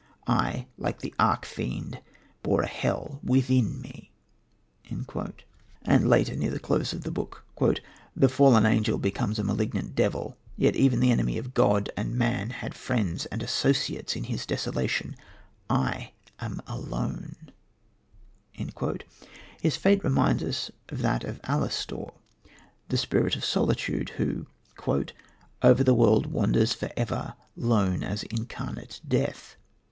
I, like the arch fiend, bore a hell within me." And later, near the close of the book: "The fallen angel becomes a malignant devil. Yet even that enemy of God and man had friends and associates in his desolation; I am alone," His fate reminds us of that of Alastor, the Spirit of Solitude, who: "Over the world wanders for ever Lone as incarnate death."